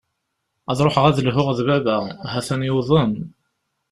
Ad ruḥeɣ ad lhuɣ d baba, ha-t-an yuḍen.